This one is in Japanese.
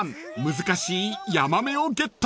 難しいヤマメをゲット］